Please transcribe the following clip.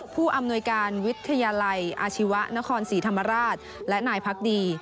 ผู้อำนวยการวิทยาลัยอาชีวะนครศรีธรรมราชและนายพักดี